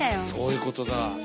そういうことだ。